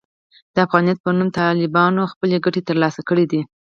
د افغانیت پر نوم طالبانو خپلې ګټې ترلاسه کړې دي.